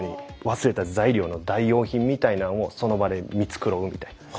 忘れた材料の代用品みたいなんをその場で見繕うみたいな。